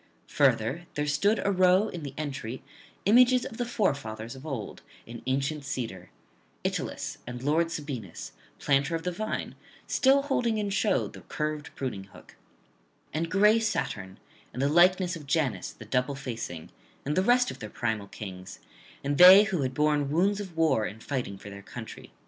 Further, there stood arow in the entry images of the forefathers of old in ancient cedar, Italus, and lord Sabinus, planter of the vine, still holding in show the curved pruning hook, and gray Saturn, and the likeness of Janus the double facing, and the rest of their primal kings, and they who had borne wounds of war in fighting for their country.